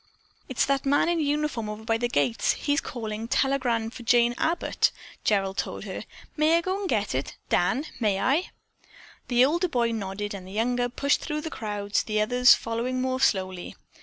"It's that man in uniform over by the gates. He's calling 'Telegram for Jane Abbott!'" Gerald told her. "May I go get it, Dan? May I?" The older boy nodded and the younger pushed through the crowd, the others following more slowly.